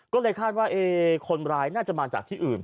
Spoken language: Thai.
ก็เลยคาดว่าคนร้ายน่าจะมาจากที่อื่น